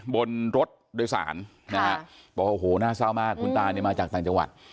บนรถโดยสารนะฮะบอกโอ้โหน่าเศร้ามากคุณตาเนี่ยมาจากต่างจังหวัด